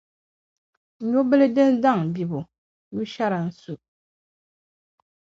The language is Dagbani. Nyubila din daŋ bibu - nyushɛra n-su.